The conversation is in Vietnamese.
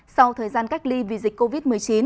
sau thời gian cách ly vì dịch covid một mươi chín